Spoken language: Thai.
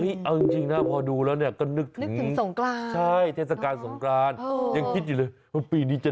ปีนี้ไม่รู้เหมือนกันนะว่าเราจะได้จัดอยู่หรือเปล่า